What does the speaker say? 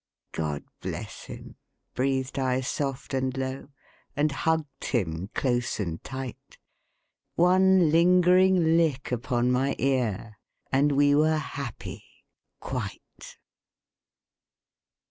"God bless him," breathed I soft and low, And hugged him close and tight. One lingering lick upon my ear And we were happy quite.